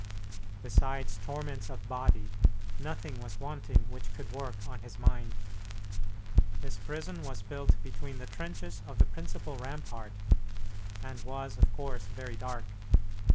Besides torments of body, nothing was wanting which could work on his mind. His prison was built between the trenches of the principal rampart, and was of course very dark.